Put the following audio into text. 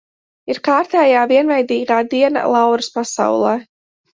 Ir kārtējā vienveidīgā diena Lauras pasaulē.